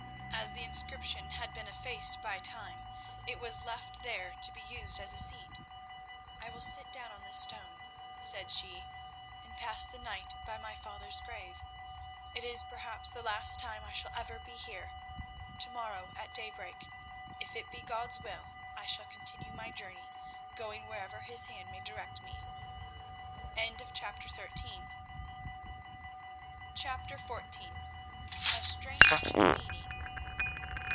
As the inscription had been effaced by time, it was left there to be used as a seat. "I will sit down on this stone," said she, "and pass the night by my father's grave. It is perhaps the last time I shall ever be here. To morrow at daybreak, if it be God's will, I shall continue my journey, going wherever His hand may direct me." CHAPTER XIV. A STRANGE MEETING.